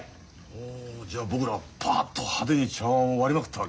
おおじゃあ僕らパァッと派手に茶わんを割りまくったわけだ。